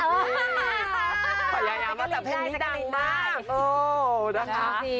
พยายามมาจากเพลงนี้ดังมาก